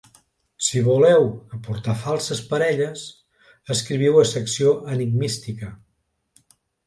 Si voleu aportar falses parelles, escriviu a Secció Enigmística.